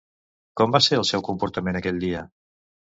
Com va ser el seu comportament aquell dia?